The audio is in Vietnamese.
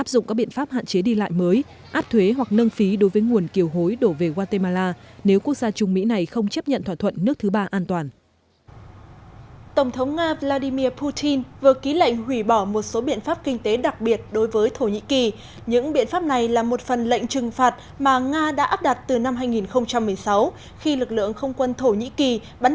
trường phạt mà nga đã áp đặt từ năm hai nghìn một mươi sáu khi lực lượng không quân thổ nhĩ kỳ bắn hạ máy bay chiến đấu su hai mươi bốn của nga tại syri